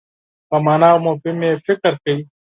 په مانا او مفهوم یې فکر کوي.